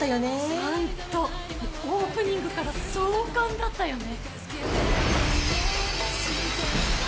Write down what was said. ホントオープニングから壮観だったよね。